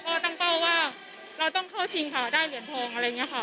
ก็ตั้งเป้าว่าเราต้องเข้าชิงค่ะได้เหรียญทองอะไรอย่างนี้ค่ะ